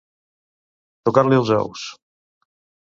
Tocar-li els ous.